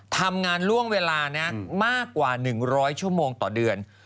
ทำงานล่วงเวลามากกว่า๑๐๐ชั่วโมงต่อเดือน